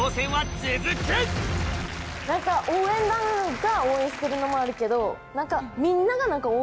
何か応援団が応援してるのもあるけど。